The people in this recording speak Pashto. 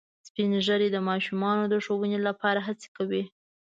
سپین ږیری د ماشومانو د ښوونې لپاره هڅې کوي